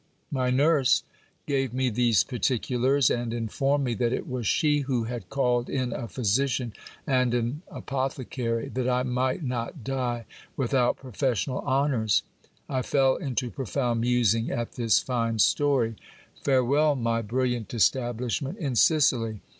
My nurse gave me these particulars, and informed me that it was she who had called in a physician and an apothecary, that I might not die without pro fessional honours. I fell into profound musing at this fine storv. Farewell my trilliant establishment in Sicily!